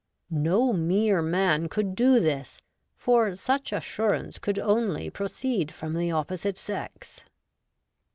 23 No mere man could do this, for such assurance could only proceed from the opposite sex.